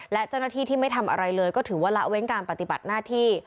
และเจ้าหน้าที่ที่ไม่ทำอะไรเลยก็ถือว่าละเว้นการปฏิบัติหน้าที่